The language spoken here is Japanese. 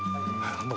何だ？